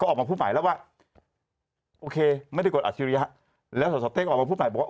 ออกมาพูดใหม่แล้วว่าโอเคไม่ได้กดอัจฉริยะแล้วสสเต้งออกมาพูดใหม่บอกว่า